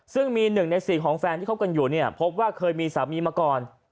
ซึ่งมีหนึ่งในสี่ของแฟนที่ครบกันอยู่พบว่าเคยมีสามีมาก่อน